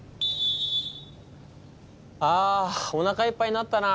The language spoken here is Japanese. あおなかいっぱいになったな。